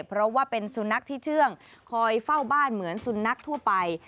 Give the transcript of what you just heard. เพราะว่าเป็นสุนัขที่เชื่องคอยเฝ้าบ้านเหมือนสุนัขทั่วไป